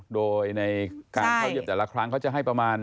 โดยในการเข้าเยี่ยมแต่ละครั้งเขาจะให้ประมาณ